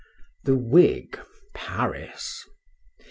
THE WIG. PARIS.